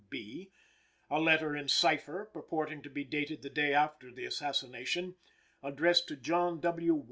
W. B.; a letter in cipher, purporting to be dated the day after the assassination, addressed to John W.